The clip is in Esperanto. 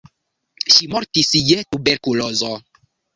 Ŝi mortis je tuberkulozo.